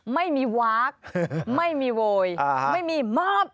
ไม่มีวาร์คไม่มีโวยไม่มีมอบ